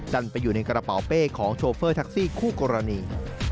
ดันไปอยู่ในกระเป๋าเป้ของโชเฟอร์แท็กซี่คู่กรณี